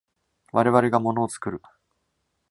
我々が物を作る。